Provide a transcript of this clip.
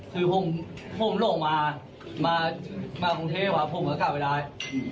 คือผมลงมามากรุงเทพมาผมก็เข้าไปได้